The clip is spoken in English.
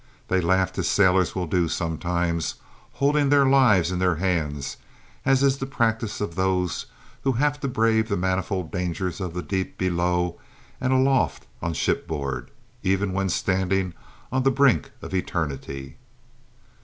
They laughed, as sailors will do sometimes, holding their lives in their hands, as is the practice of those who have to brave the manifold dangers of the deep below and aloft on shipboard, even when standing on the brink of eternity.